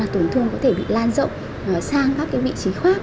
tổn thương có thể bị lan rộng sang các vị trí khác